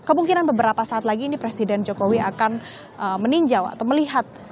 dan kemungkinan beberapa saat lagi ini presiden jokowi akan meninjau atau melihat